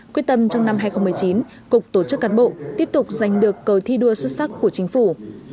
quyết tâm trong năm hai nghìn một mươi chín cục tổ chức cán bộ tiếp tục giành được cờ thi đua xuất sắc của chính phủ